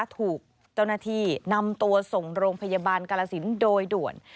ถูกเจ้าหน้าที่นำตัวส่งโรงพยาบาลกาลสินโดยด่วน